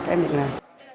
các em định làm